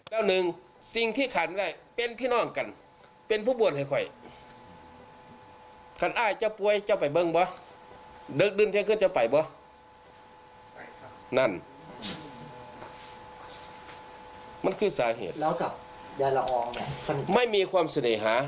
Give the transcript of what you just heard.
มันคือสาเหตุแล้วกับยายละอองไม่มีความเสน่หา